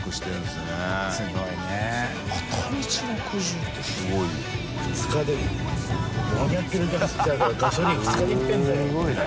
すごいな。